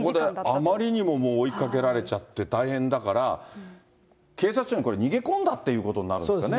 ここであまりにも追いかけられちゃって大変だから、警察署に逃げ込んだっていうことになるんですかね。